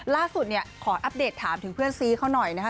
ล่าสุดเนี่ยขออัปเดตถามถึงเพื่อนซีเขาหน่อยนะคะ